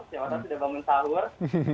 siapa tahu sudah bangun sahur